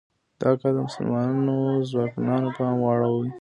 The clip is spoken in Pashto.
دا کار د مسلمانو ځوانانو پام واړوي.